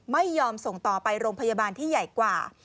ไม่ยอมส่งต่อไปโรงพยาบาลที่ใหญ่กว่า